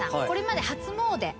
これまで初詣。